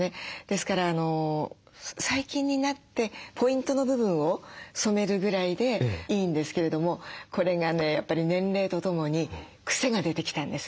ですから最近になってポイントの部分を染めるぐらいでいいんですけれどもこれがねやっぱり年齢とともに癖が出てきたんです。